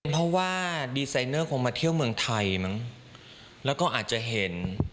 เพราะว่าดีไซเนอร์คงมาเที่ยวเมืองไทยมั้งแล้วก็อาจจะเห็น